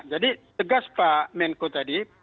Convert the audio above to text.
jadi tegas pak menko tadi